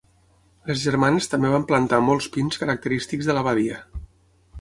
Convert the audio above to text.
Les germanes també van plantar molt pins característics de la badia.